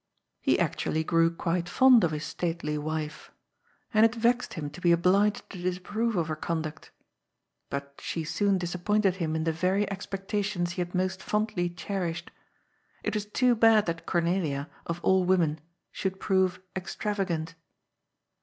He actually grew quite fond of his stately wife. And it vexed him to be obliged to disapprove of her conduct. But she soon disappointed him in the very expectations he had most fondly cherished. It was too bad that Cornelia, of all women, should prove extravagant.